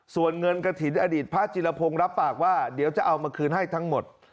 ส่วนเงินกระถิ่นอดีตพระจิลพงศ์รับปากว่าเดี๋ยวจะเอามาคืนให้ทั้งหมด